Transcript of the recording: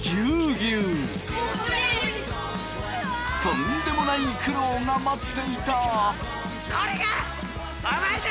とんでもない苦労が待っていた！